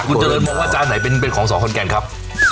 คุณเจริญมองว่าจานไหนเป็นของสอขอนแก่นครับ